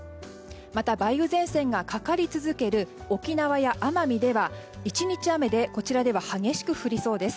また梅雨前線がかかり続ける沖縄や奄美では１日雨でこちらでは激しく降りそうです。